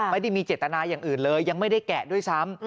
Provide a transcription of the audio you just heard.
ไม่ได้มีเจตนาอย่างอื่นเลยยังไม่ได้แกะด้วยซ้ำ